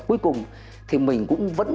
cuối cùng thì mình cũng vẫn